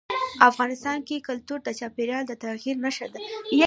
افغانستان کې کلتور د چاپېریال د تغیر نښه ده.